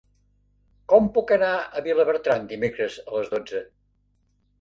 Com puc anar a Vilabertran dimecres a les dotze?